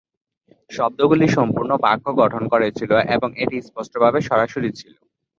শব্দগুলি সম্পূর্ণ বাক্য গঠন করেছিল এবং এটি স্পষ্টভাবে সরাসরি ছিল।